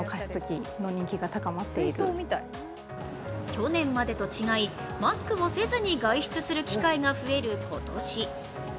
去年までと違い、マスクをせずに外出する機会が増える今年。